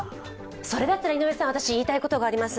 それだったら、井上さん、私、言いたいことがあります。